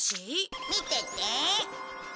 見てて。